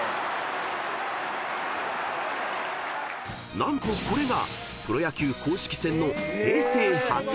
［何とこれがプロ野球公式戦の］